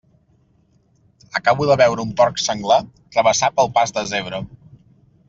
Acabo de veure un porc senglar travessar pel pas de zebra.